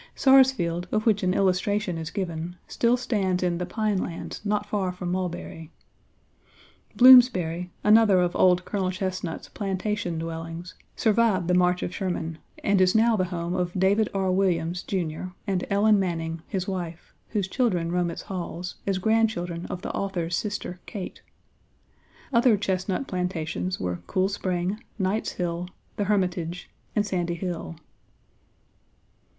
Sarsfield, of which an illustration is given, still stands in the pine lands not far from Mulberry. Bloomsbury, another of old Colonel Chesnut's plantation dwellings, survived the march of Sherman, and is now the Page xxi home of David R. Williams, Jr., and Ellen Manning, his wife, whose children roam its halls, as grandchildren of the author's sister Kate. Other Chesnut plantations were Cool Spring, Knight's Hill, The Hermitage, and Sandy Hill.